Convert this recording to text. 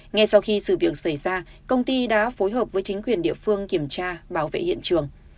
ngay sau khi sự việc xảy ra công ty đã phối hợp với chính quyền địa phương kiểm tra bảo vệ hiện trường